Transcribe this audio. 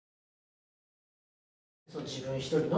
自分一人の。